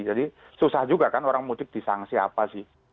jadi susah juga kan orang mudik disanksi apa sih